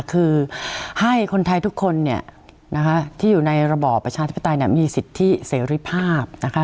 คือให้คนไทยทุกคนเนี่ยนะคะที่อยู่ในระบอบประชาธิปไตยมีสิทธิเสรีภาพนะคะ